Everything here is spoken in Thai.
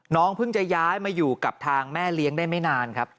เพิ่งจะย้ายมาอยู่กับทางแม่เลี้ยงได้ไม่นานครับ